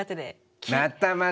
またまた！